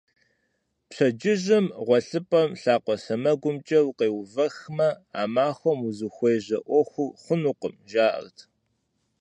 Пщэдджыжьым гъуэлъыпӀэм лъакъуэ сэмэгумкӀэ укъеувэхмэ, а махуэм узыхуежьэ Ӏуэхур хъунукъым, жаӀэрт.